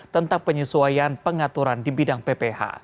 tentang penyesuaian pengaturan di bidang pph